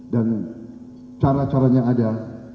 dan cara caranya ada